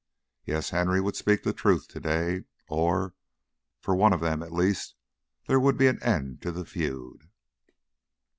Yes, Henry would speak the truth to day or for one of them, at least, there would be an end to the feud.